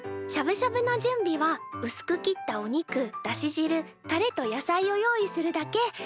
しゃぶしゃぶの準備はうすく切ったお肉だしじるタレと野菜を用意するだけ。